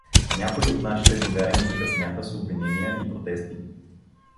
Някои от нашите другари не закъсняха с обвинения и протести.